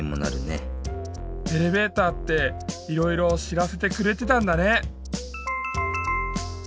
エレベーターっていろいろ知らせてくれてたんだね。